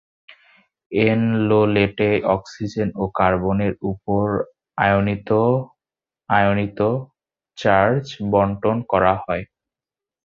এনলোলেটে oxygen ও কার্বনের উপর আয়নিত আয়নিত চার্জ বণ্টন করা হয়।